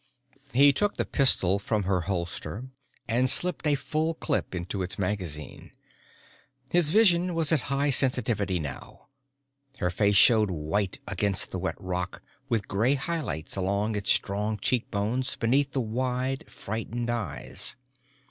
He took the pistol from her holster and slipped a full clip into its magazine. His vision was at high sensitivity now, her face showed white against the wet rock with gray highlights along its strong cheekbones beneath the wide frightened eyes.